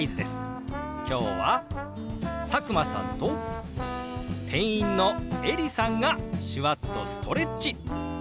今日は佐久間さんと店員のエリさんが手話っとストレッチ！